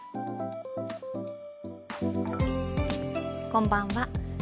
こんばんは。